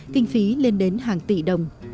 kinh phí lên đến hàng tỷ đồng